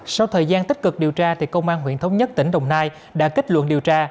sau thời gian tích cực điều tra công an huyện thống nhất tỉnh đồng nai đã kết luận điều tra